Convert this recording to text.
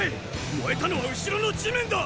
燃えたのは後ろの地面だ！